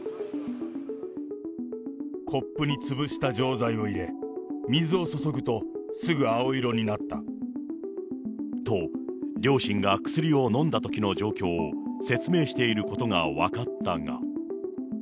コップに潰した錠剤を入れ、と、両親が薬を飲んだときの状況を説明していることが分かったが。